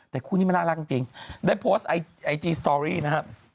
แต่คู่นี้มันน่ารักจริงได้โพสต์ไอจีสตอรี่นะครับ